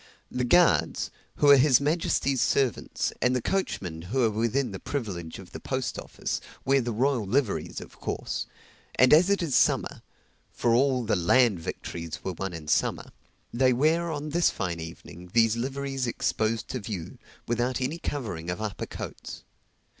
The guards, who are his majesty's servants, and the coachmen, who are within the privilege of the post office, wear the royal liveries of course; and as it is summer (for all the land victories were won in summer,) they wear, on this fine evening, these liveries exposed to view, without any covering of upper coats.